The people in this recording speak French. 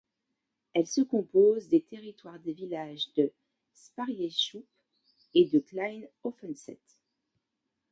Elle se compose des territoires des villages de Sparrieshoop et de Klein Offenseth.